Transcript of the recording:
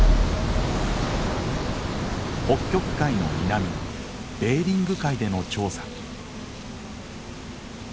北極海の南ベーリング海での調査。